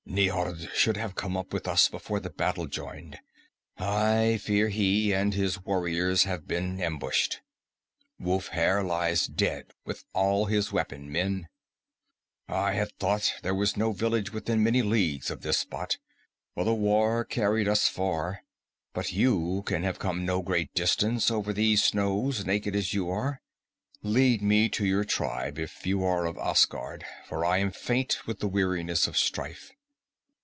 "Niord should have come up with us before the battle joined. I fear he and his warriors have been ambushed. Wulfhere lies dead with all his weapon men. "I had thought there was no village within many leagues of this spot, for the war carried us far, but you can have come no great distance over these snows, naked as you are. Lead me to your tribe, if you are of Asgard, for I am faint with the weariness of strife."